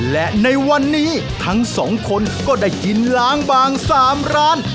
และในวันนี้ทั้งสองคนก็ได้กินล้างบาง๓ร้าน